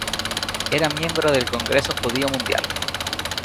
Era miembro del Congreso Judío Mundial.